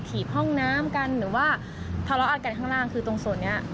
ถีบห้องน้ำกันหรือว่าทะเลาะกันข้างล่างคือตรงส่วนนี้